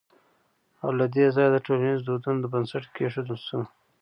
او له دې ځايه د ټولنيزو دودونو بنسټ کېښودل شو